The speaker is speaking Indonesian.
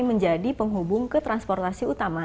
menjadi penghubung ke transportasi utama